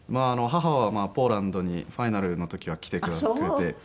母はポーランドにファイナルの時は来てくれて。